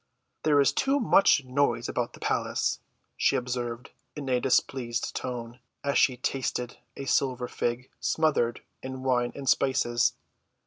"There is too much noise about the place," she observed in a displeased tone, as she tasted a silver fig smothered in wine and spices.